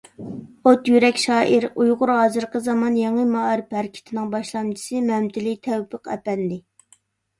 ئوت يۈرەك شائىر، ئۇيغۇر ھازىرقى زامان يېڭى مائارىپ ھەرىكىتىنىڭ باشلامچىسى مەمتىلى تەۋپىق ئەپەندى.